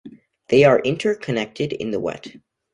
They are interconnected in the wet.